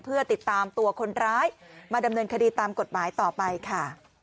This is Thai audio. เพื่อติดตามตัวคนร้ายมาดำเนินคดีตามกฎหมายต่อไปค่ะ